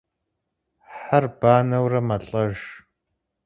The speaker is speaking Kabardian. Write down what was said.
Хьэр банэурэ мэлӏэж.